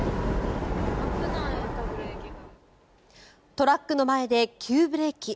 トラックの前で急ブレーキ。